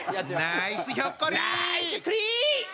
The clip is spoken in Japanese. ナイスひょっこり！